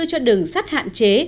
cho đường sắt hạn chế